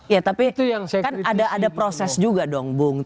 ya tapi kan ada proses juga dong bung